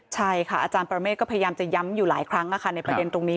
ใช่ค่ะอาจารย์ประเมฆก็พยายามจะย้ำอยู่หลายครั้งในประเด็นตรงนี้